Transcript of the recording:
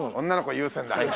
女の子優先だ。